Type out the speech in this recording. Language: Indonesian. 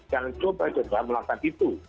jangan coba coba melakukan itu